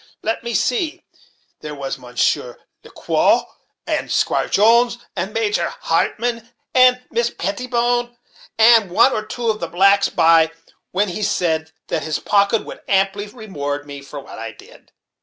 Let me see there was Mounshier Ler Quow, and Squire Jones, and Major Hartmann, and Miss Pettibone, and one or two of the blacks by, when he said that his pocket would amply reward me for what I did."